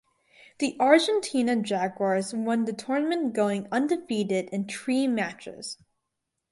The Argentina Jaguars won the tournament going undefeated in three matches.